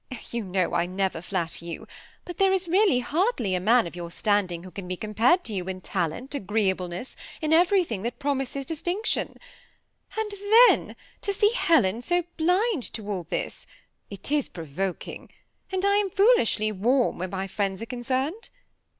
You know I never flatter you, but there is really hardly a man of your standing, who can be compared to you in talent, agreeableness, in everything that promises dis tinction ; and then to see Helen so blind to all this ; it • is provoking; and I am foolishly warm where my friends are concerned.